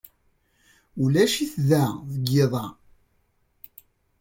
Ulac-it da deg yiḍ-a.